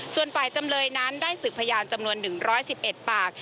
ส่วนฝ่ายจำเลยนั้นได้สืบพยานจำนวน๑๑๑ปาก